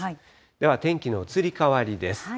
では天気の移り変わりです。